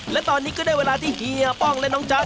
และตอนนี้ก็ได้เวลาที่เฮียป้องและน้องจ๊ะ